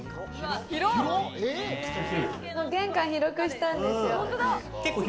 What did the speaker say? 玄関、広くしたんですよ。